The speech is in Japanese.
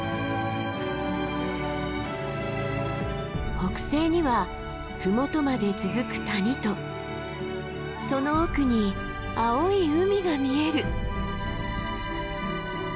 北西には麓まで続く谷とその奥に青い海が見える。